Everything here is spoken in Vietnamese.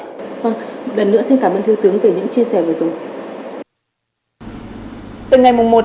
một lần nữa xin cảm ơn thư tướng về những chia sẻ vừa rồi